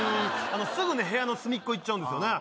あのすぐね部屋の隅っこ行っちゃうんですよね